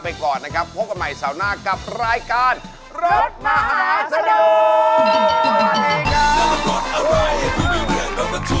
พลาดแจ็คพอร์ตแล้วครับ